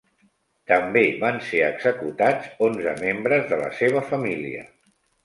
També van ser executats onze membres de la seva família.